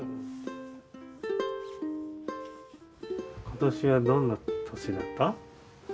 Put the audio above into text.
今年はどんな年だった？